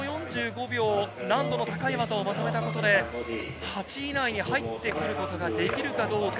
難度の高い技をまとめたことで８位以内に入ってくることができるかどうか。